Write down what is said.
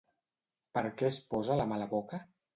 Per què es posa la mà a la boca?